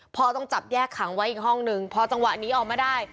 ต้องจับแยกขังไว้อีกห้องนึงพอจังหวะนี้ออกมาได้